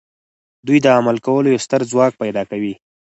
دوی د عمل کولو یو ستر ځواک پیدا کوي